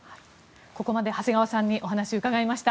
ここまで長谷川さんにお話を伺いました。